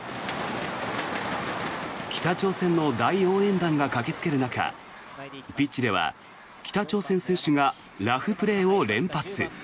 北朝鮮の大応援団が駆けつける中ピッチでは北朝鮮選手がラフプレーを連発。